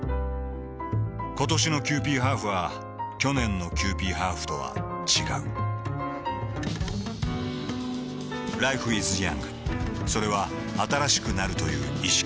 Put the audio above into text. ことしのキユーピーハーフは去年のキユーピーハーフとは違うＬｉｆｅｉｓｙｏｕｎｇ．それは新しくなるという意識